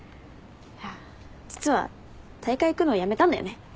いや実は大会行くのやめたんだよね。